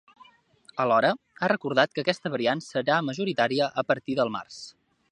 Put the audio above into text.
Alhora ha recordat que aquesta variant serà majoritària a partir del març.